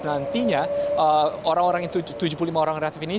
nantinya tujuh puluh lima orang reaktif ini